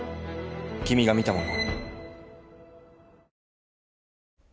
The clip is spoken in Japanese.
君が見たもの。